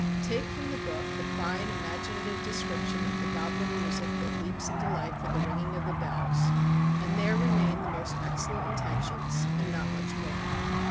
Take from the book the fine imaginative description of the goblin music that leaps into life with the ringing of the bells, and there remain the most excellent intentions and not much more.